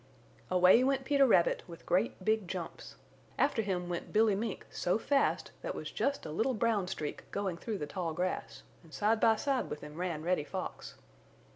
Away went Peter Rabbit with great big jumps. After him went Billy Mink so fast that was just a little brown streak going through the tall grass, and side by side with him ran Reddy Fox.